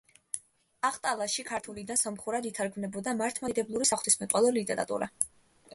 ახტალაში ქართულიდან სომხურად ითარგმნებოდა მართლმადიდებლური საღვთისმეტყველო ლიტერატურა.